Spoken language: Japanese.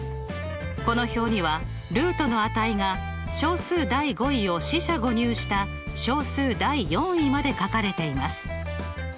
この表にはルートの値が小数第５位を四捨五入した小数第４位まで書かれています。